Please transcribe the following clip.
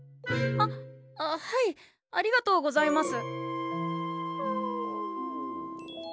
あっはいありがとうございます。